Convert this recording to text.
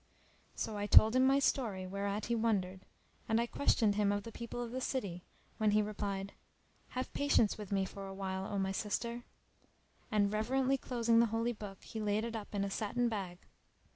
So I told him my story whereat he wondered; and I questioned him of the people of the city, when he replied, "Have patience with me for a while, O my sister!" and, reverently closing the Holy Book, he laid it up in a satin bag.